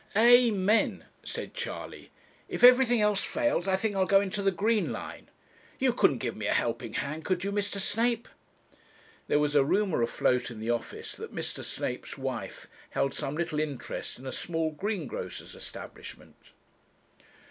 'A a a men,' said Charley. 'If everything else fails, I think I'll go into the green line. You couldn't give me a helping hand, could you, Mr. Snape?' There was a rumour afloat in the office that Mr. Snape's wife held some little interest in a small greengrocer's establishment.